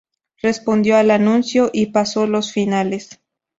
Respondió al anuncio, y pasó los finales.